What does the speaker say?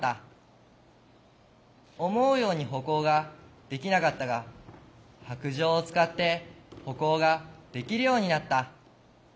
思うように歩行ができなかったが白じょうを使って歩行ができるようになった。